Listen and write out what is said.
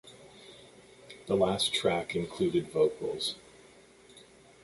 The last track included vocals.